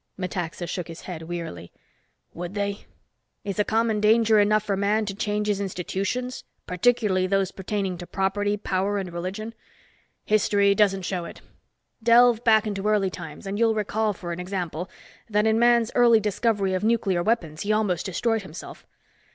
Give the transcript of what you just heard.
Metaxa shook his head wearily. "Would they? Is a common danger enough for man to change his institutions, particularly those pertaining to property, power and religion? History doesn't show it. Delve back into early times and you'll recall, for an example, that in man's early discovery of nuclear weapons he almost destroyed himself.